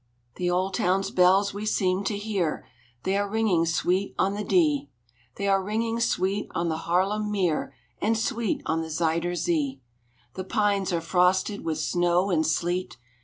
"The old town's bells we seem to hear: They are ringing sweet on the Dee; They are ringing sweet on the Harlem Meer, And sweet on the Zuyder Zee. The pines are frosted with snow and sleet.